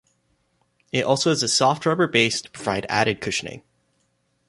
It also has a soft rubber base to provide added cushioning.